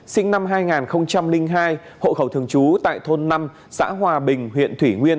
sinh năm hai nghìn hai hộ khẩu thường trú tại thôn năm xã hòa bình huyện thủy nguyên